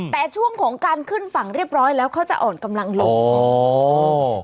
แต่ช่วงของการขึ้นฝั่งเรียบร้อยแล้วเขาจะอ่อนกำลังลงอ๋อ